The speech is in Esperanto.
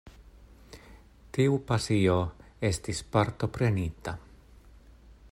Tiu pasio estis partoprenita.